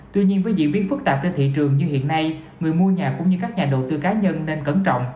tuy nhiên với diễn biến phức tạp trên thị trường như hiện nay người mua nhà cũng như các nhà đầu tư cá nhân nên cẩn trọng